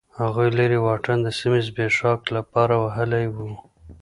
هغوی لرې واټن د سیمې د زبېښاک لپاره وهلی و.